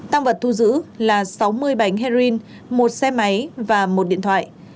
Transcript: tăng vật thu giữ là sáu mươi bánh heroin một xe máy và một điện thoại